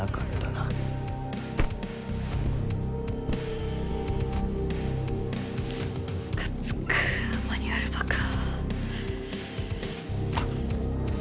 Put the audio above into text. むかつくマニュアルバカ。